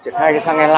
triển khai xăng e năm